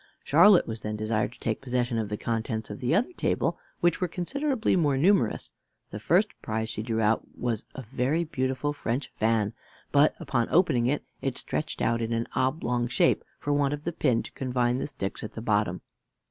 Charlotte was then desired to take possession of the contents of the other table, which were considerably more numerous. The first prize she drew out was a very beautiful French fan; but upon opening it, it stretched out in an oblong shape, for want of the pin to confine the sticks at bottom.